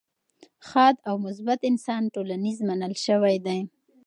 ښاد او مثبت انسان ټولنیز منل شوی دی.